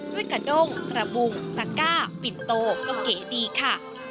กระด้งกระบุงตะก้าปิ่นโตก็เก๋ดีค่ะ